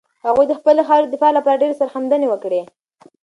هغوی د خپلې خاورې د دفاع لپاره ډېرې سرښندنې وکړې.